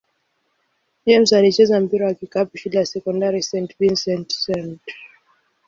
James alicheza mpira wa kikapu shule ya sekondari St. Vincent-St.